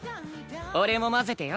俺も交ぜてよ。